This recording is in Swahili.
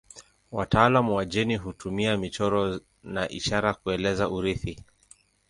Wataalamu wa jeni hutumia michoro na ishara kueleza urithi.